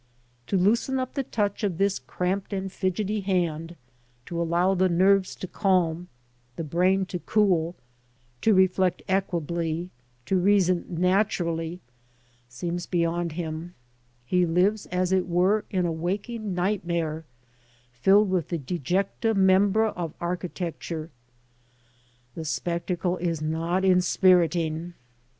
To loosen up the touch of this cramped and fidgety hand, to allow the nerves to calm, the brain to cool, to re flect equably, to reason naturally, seems beyond him ; he lives, as it were, in a waking nightmare filled with the disjecta membra of archi tecture. The spectacle is not inspiriting.